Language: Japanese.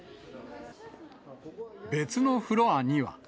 別のフロアには。